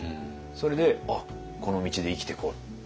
それで「あっこの道で生きてこう」って。